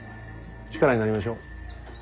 力になりましょう。